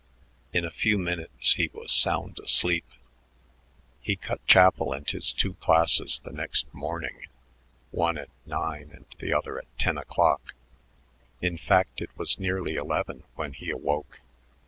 In a few minutes he was sound asleep. He cut chapel and his two classes the next morning, one at nine and the other at ten o'clock; in fact, it was nearly eleven when he awoke.